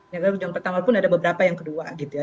negara yang pertama pun ada beberapa yang kedua gitu ya